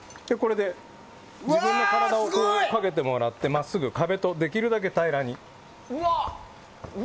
自分の体をかけてもらって真っすぐ、壁とできるだけ平らに。